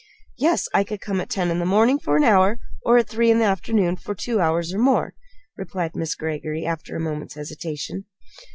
"Yes. I could come at ten in the morning for an hour, or at three in the afternoon for two hours or more," replied Miss Greggory, after a moment's hesitation.